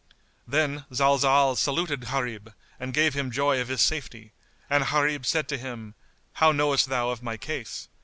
Then Zalzal saluted Gharib and gave him joy of his safety; and Gharib said to him, "How knowest thou of my case?"